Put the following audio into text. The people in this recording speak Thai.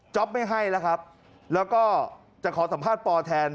ไม่ให้แล้วครับแล้วก็จะขอสัมภาษณ์ปอแทน